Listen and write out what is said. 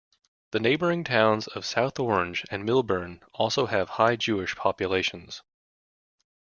The neighboring towns of South Orange and Millburn also have high Jewish populations.